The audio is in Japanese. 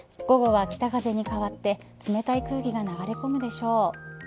午後は北風に変わって冷たい空気が流れ込むでしょう。